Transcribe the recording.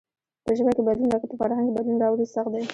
په ژبه کې بدلون لکه په فرهنگ کې بدلون راوړل سخت دئ.